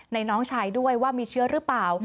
น้องชายด้วยว่ามีเชื้อหรือเปล่า